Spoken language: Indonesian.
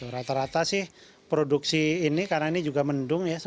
rata rata sih produksi ini karena ini juga mendung ya